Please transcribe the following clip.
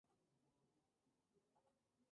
La vestimenta era escasa.